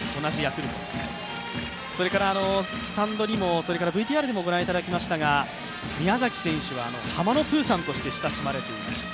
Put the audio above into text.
スタンドにも、ＶＴＲでも御覧いただきましたが、宮崎選手はハマのプーさんとして親しまれています。